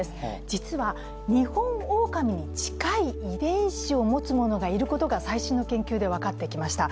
実はニホンオオカミに近い遺伝子を持つものがいることが最新の研究で分かってきました。